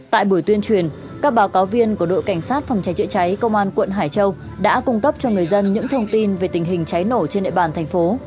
tại buổi tuyên truyền các báo cáo viên của đội cảnh sát phòng cháy chữa cháy công an quận hải châu đã cung cấp cho người dân những thông tin về tình hình cháy nổ trên địa bàn thành phố